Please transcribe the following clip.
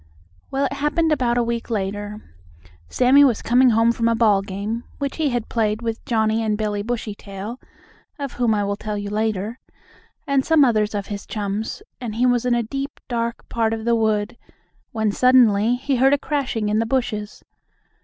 Well, it happened about a week later. Sammie was coming home from a ball game, which he had played with Johnnie and Billie Bushytail (of whom I will tell you later), and some others of his chums, and he was in a deep, dark part of the wood, when suddenly he heard a crashing in the bushes.